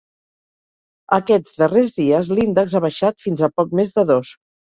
Aquests darrers dies, l’índex ha baixat fins a poc més de dos.